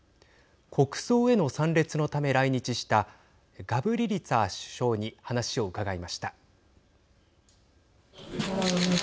国葬への参列のため来日したガブリリツァ首相に話を伺いました。